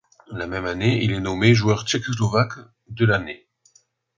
La même année, il est nommé joueur tchécoslovaque de l'année.